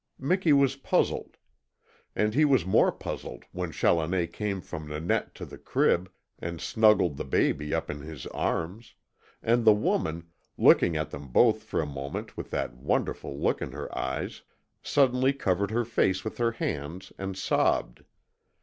Miki was puzzled. And he was more puzzled when Challoner came from Nanette to the crib, and snuggled the baby up in his arms; and the woman looking at them both for a moment with that wonderful look in her eyes suddenly covered her face with her hands and sobbed.